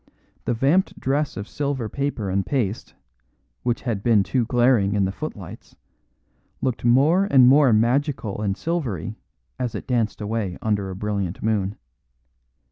The vamped dress of silver paper and paste, which had been too glaring in the footlights, looked more and more magical and silvery as it danced away under a brilliant moon.